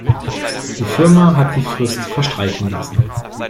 Die Firma hat die Frist verstreichen lassen.